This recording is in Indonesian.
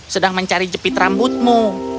sedang mencari jepit rambutmu